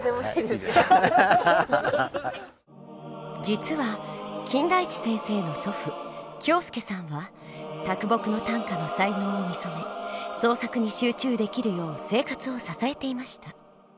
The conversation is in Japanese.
実は金田一先生の祖父京助さんは木の短歌の才能を見初め創作に集中できるよう生活を支えていました。